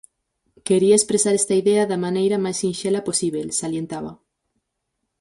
Quería expresar esta idea da maneira máis sinxela posíbel, salientaba.